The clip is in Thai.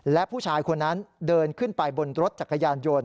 และผู้ชายคนนั้นเดินขึ้นไปบนรถจักรยานยนต์